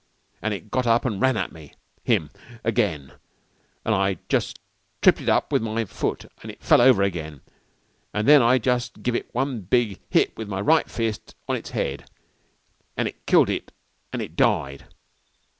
An' it got up an' ran at me him again, an' I jus' tripped it up with my foot an' it fell over again, an' then I jus' give it one big hit with my fist right on its head, an' it killed it an' it died!"